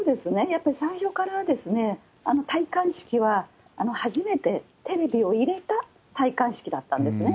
やっぱり最初から戴冠式は、初めてテレビを入れた戴冠式だったんですね。